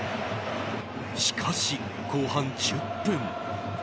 しかし、後半１０分。